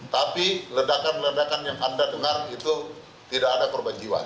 tapi ledakan ledakan yang anda dengar itu tidak ada korban jiwa